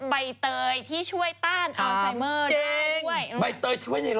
ไม่ทัดยังคุยเรื่องนู้นล้าง